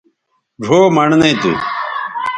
ڙھؤ مڑنئ تھو